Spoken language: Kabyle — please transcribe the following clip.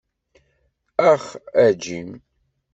Ax a Jim.